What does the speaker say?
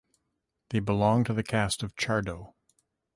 They belong to the caste of Chardo.